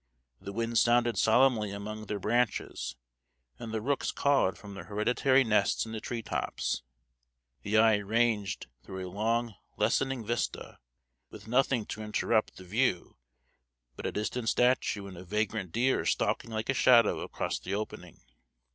The wind sounded solemnly among their branches, and the rooks cawed from their hereditary nests in the tree tops. The eye ranged through a long lessening vista, with nothing to interrupt the view but a distant statue and a vagrant deer stalking like a shadow across the opening.